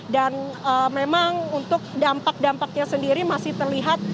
dan memang untuk dampak dampaknya sendiri masih terlihat